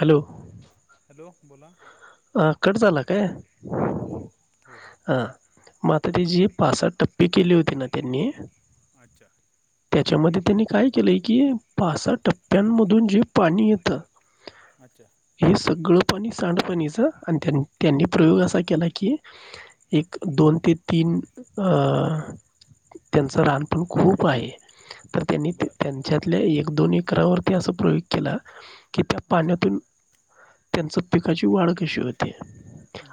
Hello. Hello बोला. हा cut झाला काय हो हो हो हा मग आता त्याची. पाच साह टप्पे केली होती ना त्यांनी. [inaudible] त्याच्यामध्ये त्यांनी काय केलंय की पाच-सहा टप्प्यांमधून जे पाणी येतं. अच्छा हे सगळं. पणी सांडपणीचा आणि त्यां त्यांनी प्रयोग असा केला की एक दोन ते तीन. अ त्यांचं रानपण खूप आहे. तर त्यांनी बरं त्यांच्यातल्या एक-दोन एकरावरती असा प्रयोग केला. की त्या अच्छा पाण्यातून त्यांचं पिकाची वाढ कशी होती.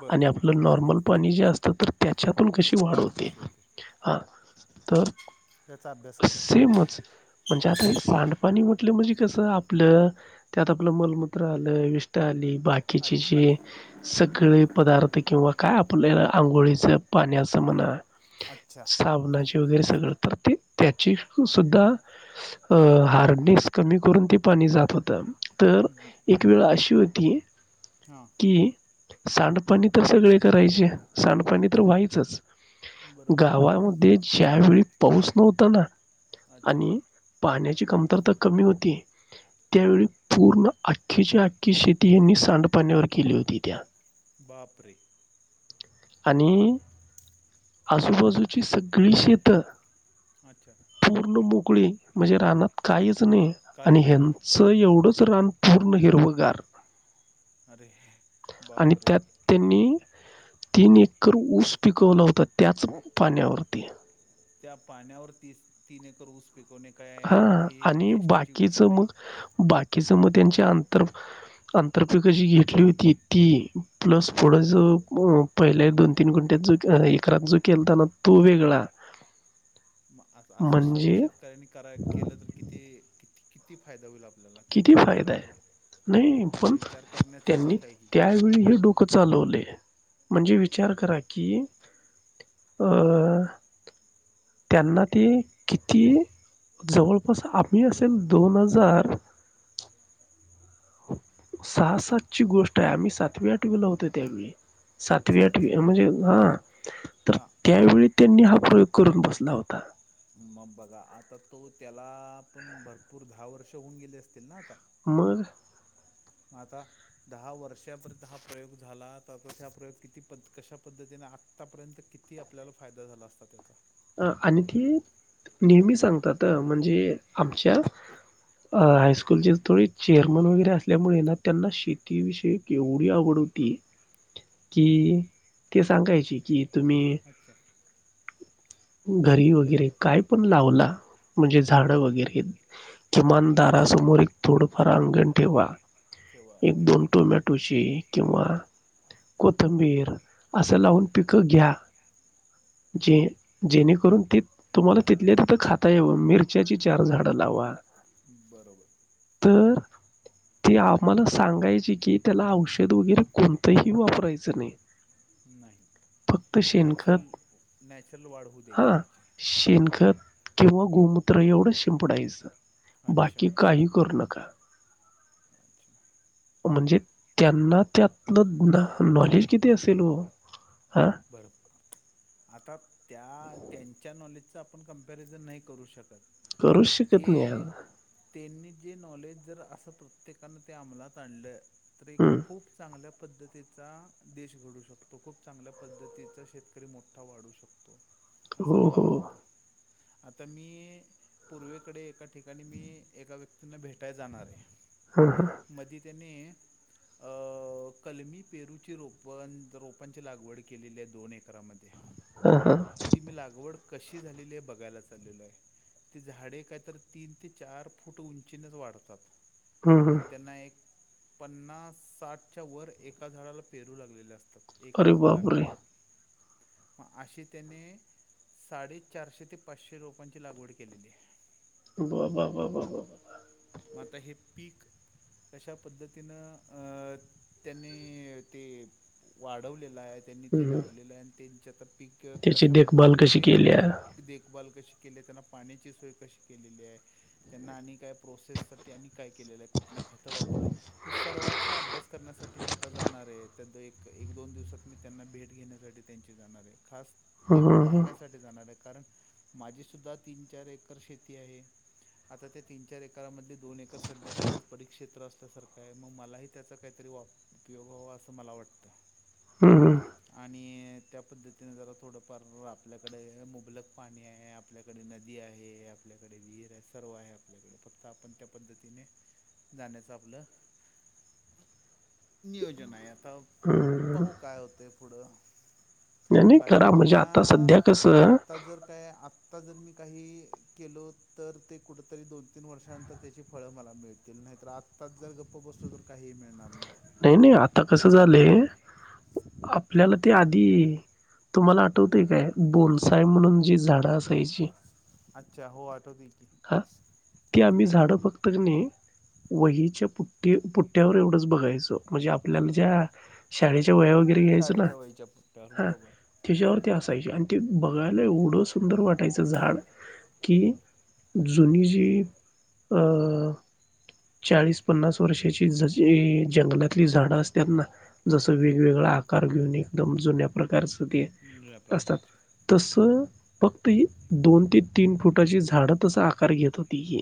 बरं आणि आपलं नॉर्मल पाणी जे असतं तर. त्याच्यातून कशी वाढ होते हा तर. चा अभ्यास केला. सेमच म्हणजे आता हे सांडपाणी म्हटलं म्हणजे कसं आपलं त्यात आपलं मलमूत्र आलं विष्टा आली. बाकीचे खाली जे सगळे पदार्थ किंवा काय आपल्याला. आंघोळीच पाण्याचं म्हणा अच्छा साबणाचे वगैरे सगळं तर ते. त्याची सुद्धा अ हार्डनेस कमी करून ते पाणी जात होतं. तर हम्म, एक वेळ अशी होती हां की. सांडपाणी तर सगळे करायचे सांडपाणी तर व्हायचंच. बरोबर गावामध्ये ज्या वेळी पाऊस नव्हता ना. अच्छा आणि पाण्याची कमतरता कमी होती. त्यावेळी पूर्ण अख्ख्याची आख्खी शेती यांनी सांडपाण्यावर केली होती त्या. [inaudible] आणि आजूबाजूची सगळी शेतं. अच्छा पूर्ण मोगळी म्हणजे रानात काहीच च नाय आणि काही नाही अच्छा ह्यांचं एवढंच रान पूर्ण हिरवगार. अरे बापरे! त्यांनी तीन एकर ऊस पिकवला होता त्याच पाण्यावरती. त्या पाण्यावर ती तीन एकर ऊस पिकवणे काय हा हे आणि चेष्टेची बाकीच गोष्ट नाही मग बाकीचं मग त्यांचे आंतर अंतरपिक जी घेतली होती ती प्लस पुोडं अच्छा ज पहिल्या दोन तीन गुनट्यात. एक रात जो केलताना तो वेगळा. मग असं सर्व म्हणजे शेतकऱ्यांनी करा केलं तर किती किती फायदा होईल आप ल्याला किती मोठा फायदा आहे. आपल नाही पण त्यांनी आहे ही. त्यावेळी हे डोकं चालवलय. म्हणजे विचार करा की अं त्यांना ते किती. जवळपास आम्ही असेल दोन हजार सह सात ची गोष्ट आहे आम्ही सातवी आठवी ला होतो त्यावेळी. सातवी अच्छा अच्छा. आठवी म्हणजे हा तर म त्यावेळी त्यांनी हा प्रयोग करून बसला होता. मग बघा आता तो त्याला पण भरपूर दहा वर्ष होऊन गेले असतील ना आता. मग. मग आता दहा वर्षापर्यंत हा प्रयोग झाला त हा प्रयोग किती पद् कशा पद्धतीने आतापर्यंत किती आपल्याला फायदा झाला असता त्याचा. अ आणि ते नेहमी सांगतात म्हणजे आमच्या. अ हायस्कूल थोडे चेअरमन वगैरे असल्यामुळे ना त्यांना शेतीविषयी केवढी आवड होती की ते सांगायची कि तुम्ही. अच्छा. घरी वगैरे काय पण लावला. म्हणजे लावला झाडं वगैरे बरं किमान दारासमोर एक थोडंफार अंगण ठेवा. ठेवा. एक दोन त्यामध्ये थोडी टोमॅटोची किंवा कोथंबीर. असं अच्छा. लावून पिकं घ्या. जे जेणेकरून त तुम्हाला तिथल्या तिथं खाता यावं मिरच्याची चार झाडं लावा. बरोबर. तर. ते आम्हाला सांगायचे की त्याला औषध वगैरे कोणतंही वापरायचं नाही. नाही. फक्त नॅचरल शेणखत. नॅचरल वाढ होऊ द्यायची त्याची. ‌ त किंवा गोमूत्र एवढं शिंपडायचं अच्छा. बाकी काही करू नका. अच्छा म्हणजे त्यांना त्यातलं नॉलेज किती असेल हो. हां [inaudible] पण करूच शकत नाही ते यार त्यांनी. जे नॉलेज जर असं प्रत्येकानं ते अमलात आणलं तर एक हं. खूप चांगल्या पद्धतीचा देश घडू शकतो खूप चांगल्या पद्धतीचा शेतकरी मोठा वाढू शकतो. असं हो मला हो वाटत. आता मी पूर्वेकडे एका ठिकाणी मी एका व्यक्तींना भेटायला जाणार हाय. हां हां मध्ये त्याने, अ कलमी पेरूची रोप अन रोपांची लागवड के केलेल्या दोन एकरामध्ये. हा हा. ती मी लागवड कशी झालेली आहे बघायला चाललेलो हाय. हं, [unintelligible] हं. आणि त्यांना एक पन्नास, साठच्या वर एका झाडाला पेरू लागलेले असतात. एका अरे बाप हंगामी रे. [inaudible] साडेचारशे ते पाचशे रुपयांची लागवड केलेली आहे. आ बा बा बा बा बा. मा आता हे पीक. अशा पद्धतीनं अ त्यांनी ते वाढवलेलं आहे त्यांनी ते हं. लावलेलं आणि त्यांच्या पीक त्याची कशा देखभाल पद्धतीने कशी ते केली आहे. देखभाल कशी. के त्यांना पाण्याची सोय कशी केलेली आहे त्यांना आणि काय प्रोसेस सा. काय केले आहे कुठली खत वापर सर्वचा अभ्यास करण्यासाठी. मी आता जाणार आहे त्या एक एक दोन दिवसात मी त्यांना भेट घेण्यासाठी त्यांची जाणार आहे. खास ते हं, हं, पाहण्यासाठी जाणार आहे. कारण माझी सुद्धा तीन, चार एकर शेती आहे. आता त्या तीन चार एकरा मध्ये. दोन एकर सध्या तसंच परिकक्ष्षेत्र अस. सारखं आहे मग मलाही त्याचा काहीतरी वा उपयोग हवा असं मला वाटतं. हं, आणि. त्या पद्धतीने जरा थोडफार आपल्याकडे मुबलक पाणी आहे. आपल्याकडे नदी आहे. आपल्याकडे विहीर आहे. सर्व आहे. आपल्याकडे फक्त आपण त्या पद्धतीने जाण्याच आपलं. नियोजन आहे आता हं. पाहू काय होते पुढं. नाही, नाही बाकी करा म्हणजे योजना आता सध्या कसं आता जर काय आत्ता जर मी. काही केलो तर ते कुठ. तरी दोन तीन वर्षानंतर त्याची फळं मला मिळतील नाही तर आत्ताच जर गप्प बसलो तर काहीही मिळणार नाही. नाही नाही आता कसं झालंय. आपल्याला ते आधी. तुम्हाला आठवते काय बोनसाय म्हणून जी झाडं असायची. अच्छा हो आठवते की. फक्त् कनि वहीच्या पुट्टे पुट्ट्यावर एवढंच बघायचं. म्हणजे आपल्या म्हणज्या शाळे. वया वगैरे घ्यायच ना शाळेच्या वयीच्या पुट्ट्यावर हा बरोबर त्याच्यावरती असायच्या. ते बघायला एवढं सुंदर वाटायचं झाड कि. जुनी जी अ चाळीस-पन्नास वर्षाची जशि जंगलात. त्यातली झाडं असतात ना जसं वेगवेगळा आकार घेऊन एकदम जुन्या प्रकारचं ते. निळ्या असतात प्रकारच्या तस. फक्त हि दोन ते तीन फुटाची झाडं तसा आकार घेत होती ही.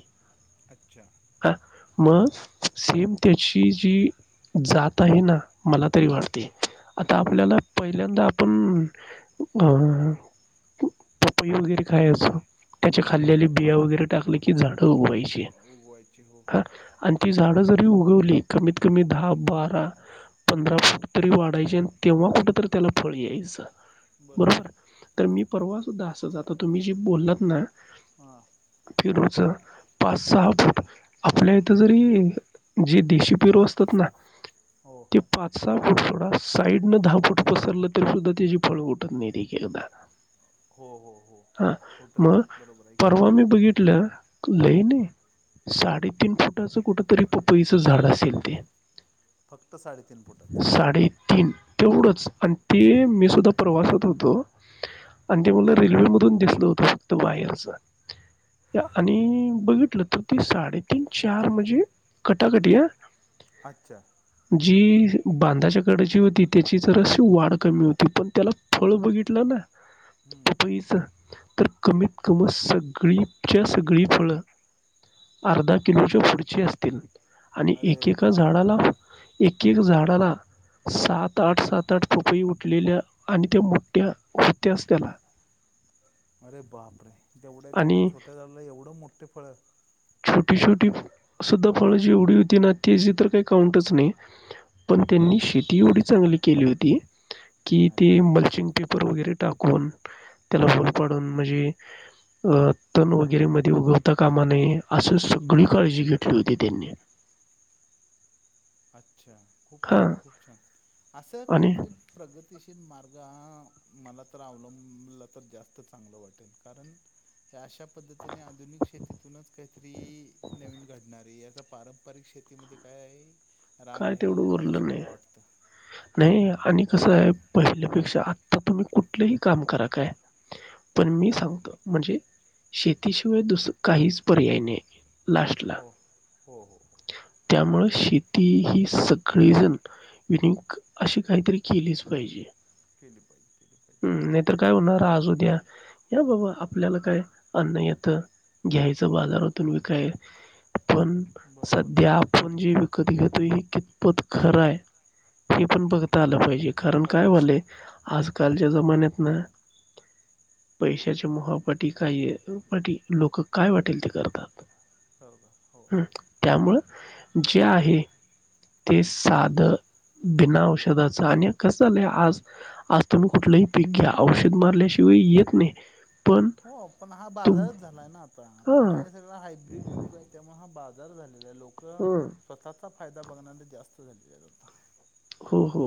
अच्छा! हा मग सेम त्याची जी जात आहे ना मला तरी वाटते. आता पपई वगैरे खायाचो. त्याच्या खाल्लेली अच्छा बिया वगैरे टाकले की झाडं उगवायची उगवायचे हो हा आणि तीच झाडं जरी उगवली कमीत कमी दहा, बारा, पंधरा फूट तरी वाढायचे आणि तेव्हा कुठंतरी त्याला फळ यायचं. बरोबर. तर मी परवा सुद्धा असं जात होत तुम्ही जे बोललात ना, हां पेरूच पाच, सहा फूट आपल्या इथं जरी जे देशी पेरू असत त ना हो ते पाच, सहा थोडा साईड न दहा फूट पसरलं तरी सुद्धा त्याची फळ उठत नाही एकेकदा. हो हो हो हा फुटत मग नाहीत बरोबर आहे की परवा मी बघितलं. लई नाही साडे तीन फुटाचं कुठ तरी पपईचं झाड असेल ते. फक्त साडेतीन फुटात. साडेतीन तेवढंच आणि ते मी सुद्धा प्रवासात होतो आणि ते मला रेल्वे मधून दिसलं होतं फक्त बाहेरच. आणि बघितलं तर ते साडेतीन, चार म्हणजे कटा कटी हं अच्छा जी बांधाच्याकडची होती त्याची जराशी वाढ कमी होती. पण त्याला फळं बघितलं ना हम्म पपईच तर कमीत कम सगळीच्या सगळी फळं अर्धा किलोच्या पुढचे असतील आणि अरे एकेका झाडाला‌ बापरे एक एक झाडला. सात, आठ सात, आठ पपई उठलेल्या आणि त्या मोठ्या होत्याच त्याला. [inaudible] अरे बाप रे जेवढ्या तेवढ्या आणि छोट्या झाडाला एवढं मोठे फळं. छुट छोटी छोटी सुद्धा फळं जी एवढी होती ना त्याची तर काही काउंटच नाही पण त्यांनी शेती एवढी चांगली केली होती की ते अच्छा, मल [unintelligible] पर वगैरे टाकून त्याला होल पाडून म्हणजे अ तन वगैरे मध्ये उगवता कामा नये. असं सगळी काळजी घेतली होती त्यांनी. अच्छा खूप हां छान, खूप छान असं आणि काहीतरी प्रगतीशील मार्ग आ मला तर अवलंबल तर जास्त चांगलं वाटेल कारण, अशा पद्धतीने आधुनिक शेतीतूनच काहीतरी नवीन घडणार आहे याचा पारंपरिक शे शेतीमध्ये काय आहे. काय तेवढं उरलं नाही. नाही आणि कसय आहे पहिल्यापेक्षा आता तुम्ही कुठलंही काम करा काय पण मी सांगतो म्हणजे शेतीशिवाय दुसं काहीच पर्याय नाही. लास्टला हो. हो, हो, हो. त्यामुळं शे ती ही सगळी जण युनिक अशी काहीतरी केलीच पाहिजे. केली पाहिजे, केली हम्म पाहिजे. नाही तर हो, काय होणार आज, उद्या या बाबा आपल्याला काय अन्नं येतं. घ्यायचं बाजारातून विकाय पण बरोबर. सध्या आपण जे विक त कधी घेतोय हे कितपत खरं हाय हे पण बघता आलं पाहिजे. कारण पाहिजे. काय वालय आजकालच्या जमान्यात ना पैशाच्या मोहापाटी काय य अं पाटी लोकं काय वाटेल ते करतात. [unintelligible] हो हं. त्यामुळं जे आहे ते साधं बिना औषधाच आणि कसं झालंय आज आज तुम्ही कुठलंही पीक घ्या औषध मारल्याशिवाय येत नाही पण हो पण हा तुम बाजारच झालाय ना आता आता हां हा हे सगळं हायब्रीड युग हाय त्यामुळे हा बाज जार झालेला आहे, लोक हं. स्वतःचा फायदा बघणारे जास्त झाले आहेत आता. हो हो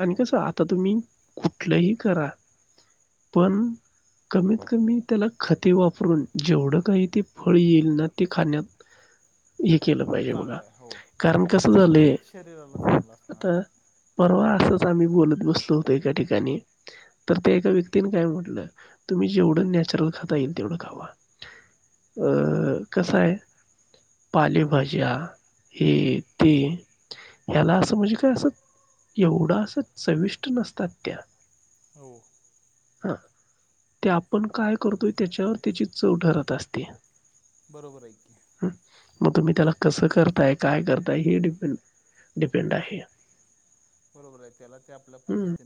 आणि कसं आता तुम्ही कुठलंही करा पण कमीत कमी त्याला खते वापरून जेवढं काही ते फळ येईल ना ते खाण्यात ही केलं पाहिजे बघा चांगला आहे हो कारण कसं आणि झालय, तेच शरीराला चांगलं असणार आता आहे परवा आसं च आम्ही बोलत बसलो होतो एका ठिकाणी तर एका व्यक्तीने काय म्हटलं, तुम्ही जेवढं ज्ञान नॅचरल खाता येईल तेवढं खावा अ अच्छा कसं हाय पालेभज्या हे ते ह्याला असं म्हणजे ते आसं एवढ आसं चविष्ट नसतात त्या. हो हा ते आपण काय करतोय त्याच्यावर त्याची चव ठरत असत्या. बरोबर आयकी. मग तुम्ही त्याला कसं करताय काय करताय हे डिपे डिपेंड आहे. होय त्याला आपल्या हम्म पद्धतीन